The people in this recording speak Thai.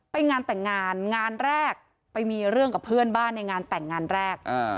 ไปงานแต่งงานงานแรกไปมีเรื่องกับเพื่อนบ้านในงานแต่งงานแรก